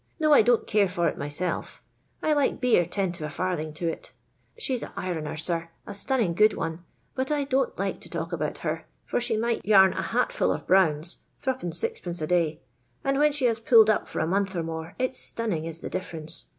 No, I don't care for it m3rBell I like beer ten to a ferthing to it " She 's a ironer, •ir, a stunning good one, but I don't like to talk about her, for she might yarn a hatful of browns — 3«. M. a day ; and when she has puUed up for a month or more it's stunning is the difference.